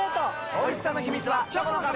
おいしさの秘密はチョコの壁！